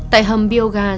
tại hầm biêu gà